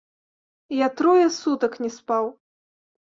Я трое сутак не спаў.